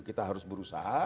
kita harus berusaha